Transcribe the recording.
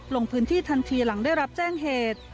ลงพื้นที่ทันทีหลังได้รับแจ้งเหตุ